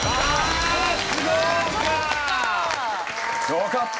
よかった！